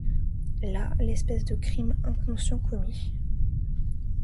Là, l’espèce de crime inconscient commis